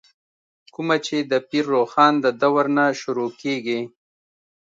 کومه چې دَپير روښان ددورنه شروع کيږې